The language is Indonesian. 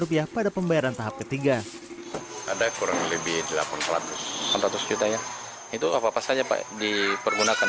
rupiah pada pembayaran tahap ketiga ada kurang lebih delapan ratus empat ratus juta ya itu apa apa saja pak dipergunakan